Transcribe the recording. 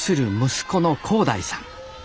息子の皇大さん。